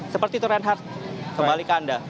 seperti itu reinhardt kembali ke anda